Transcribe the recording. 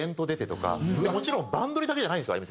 もちろん『バンドリ！』だけじゃないんですよ